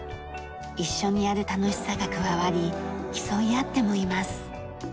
一緒にやる楽しさが加わり競い合ってもいます。